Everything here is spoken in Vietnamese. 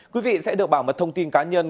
quý vị sẽ được bảo mật thông tin cá nhân